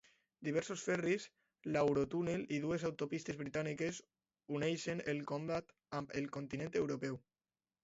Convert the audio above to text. Diversos ferris, l'Eurotúnel i dues autopistes britàniques uneixen el comtat amb el continent europeu.